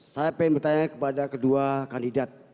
saya ingin bertanya kepada kedua kandidat